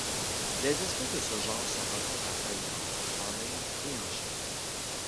Les espèces de ce genre se rencontrent en Thaïlande, en Inde et en Chine.